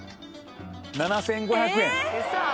７５００円。